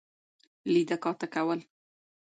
لیده کاته کول.